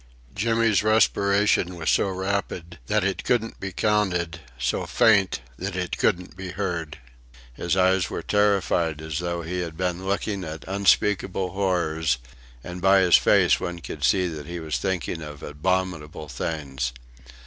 Jimmy's respiration was so rapid that it couldn't be counted, so faint that it couldn't be heard. His eyes were terrified as though he had been looking at unspeakable horrors; and by his face one could see that he was thinking of abominable things.